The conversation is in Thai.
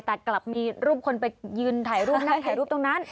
แต่กลับมีรูปคนไปยืนถ่ายรูปนั่งถ่ายรูปตรงนั้น